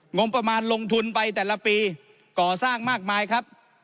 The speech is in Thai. งบประมาณลงทุนไปแต่ละปีก่อสร้างมากมายครับ